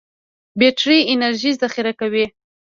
بټري انرژي ذخیره کوي.